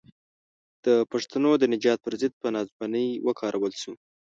د پښتنو د نجات پر ضد په ناځوانۍ وکارول شو.